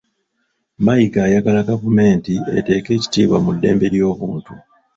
Mayiga ayagala gavumenti eteeke ekitiibwa mu ddembe ly'obuntu .